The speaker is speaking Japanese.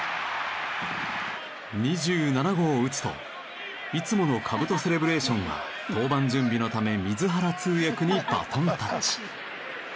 ２７号を打つといつもの兜セレブレーションは登板準備のため水原通訳にバトンタッチ。